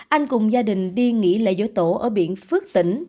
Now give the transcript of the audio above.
anh cùng gia đình đi nghỉ lễ dỗ tổ ở biển phước tỉnh